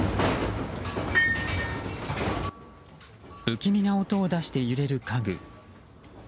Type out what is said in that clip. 不気味な音を出して揺れる家具。